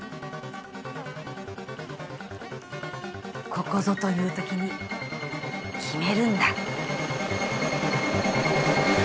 ここぞという時に決めるんだ。